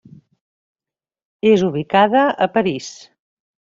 És ubicada a París.